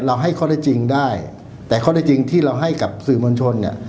ให้ข้อได้จริงได้แต่ข้อได้จริงที่เราให้กับสื่อมวลชนเนี่ย